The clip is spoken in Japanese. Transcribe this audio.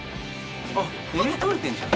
あっ余裕で取れてんじゃん。